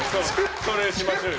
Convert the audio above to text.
それにしましょうよ。